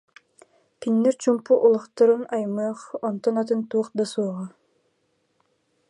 Кинилэр чуумпу олохторун аймыах онтон атын туох да суоҕа